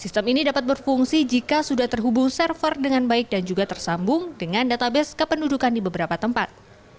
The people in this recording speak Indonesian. sistem ini dapat berfungsi jika sudah terhubung server dengan baik dan juga tersambung dengan database kependudukan di beberapa tempat